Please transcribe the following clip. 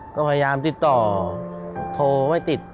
ก็พยายามติดต่อโทรไม่ติด